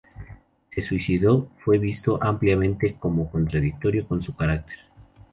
Su suicidio fue visto ampliamente como contradictorio con su carácter.